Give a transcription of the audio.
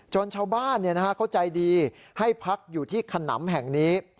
ชาวบ้านเขาใจดีให้พักอยู่ที่ขนำแห่งนี้